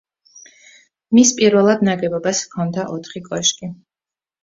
მის პირველად ნაგებობას ჰქონდა ოთხი კოშკი.